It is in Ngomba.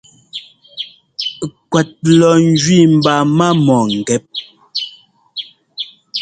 Kuɛt lɔ njẅi mba má mɔ̂ngɛ́p.